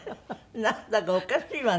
なんだかおかしいわね。